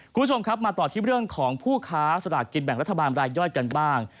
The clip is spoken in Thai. คุณผู้ชมครับมาต่อที่เรื่องของผู้ค้าสลากกินแบ่งรัฐบาลรายย่อยกันบ้าง